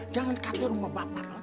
jangan katir rumah bapak